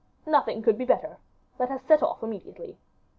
"Nothing could be better. Let us set off immediately."